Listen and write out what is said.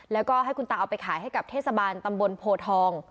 แล้วก็ให้คุณตาเอาไปขายให้กับเทศบาลตำบลโพทอง